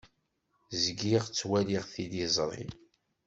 Zgiɣ ttwaliɣ tiliẓri.